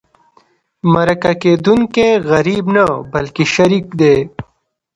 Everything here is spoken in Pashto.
مرکه کېدونکی غریب نه بلکې شریك دی.